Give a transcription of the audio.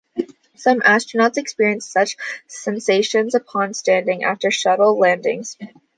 Some astronauts experienced such sensations upon standing after shuttle landings.